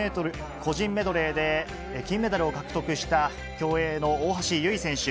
個人メドレーで、金メダルを獲得した、競泳の大橋悠依選手。